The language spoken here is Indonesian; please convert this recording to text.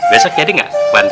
besok jadi nggak